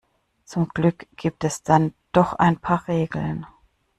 Zum Glück gibt es dann doch ein paar Regeln.